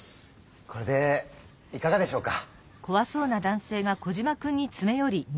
これでいかがでしょうか？